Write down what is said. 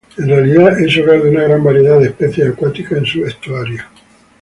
En realidad, es hogar de una gran variedad de especies acuáticas en sus estuarios.